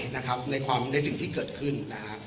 ในสิ่งที่เกิดขึ้น